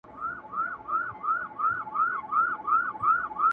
موسم ټول شاعرانه سي هم باران راته شاعر کړې,